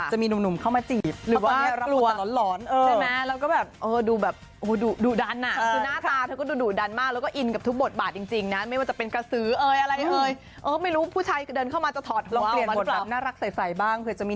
หรือว่าโดยที่จะตั้งใจหรือไม่ตั้งใจอะไรอย่างนี้